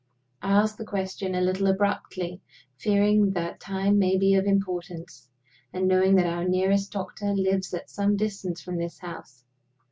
I ask the question a little abruptly, fearing that time may be of importance, and knowing that our nearest doctor lives at some distance from this house."